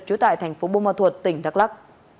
trú tại thành phố bô ma thuật tỉnh đắk lắc